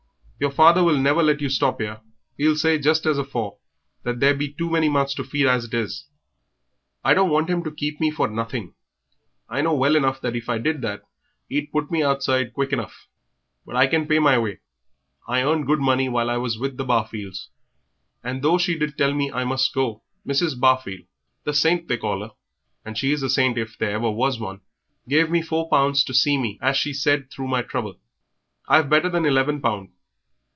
"Your father will never let you stop 'ere; 'e'll say, just as afore, that there be too many mouths to feed as it is." "I don't want him to keep me for nothing I know well enough if I did that 'e'd put me outside quick enough. But I can pay my way. I earned good money while I was with the Barfields, and though she did tell me I must go, Mrs. Barfield the Saint they call her, and she is a saint if ever there was one gave me four pounds to see me, as she said, through my trouble. I've better than eleven pound.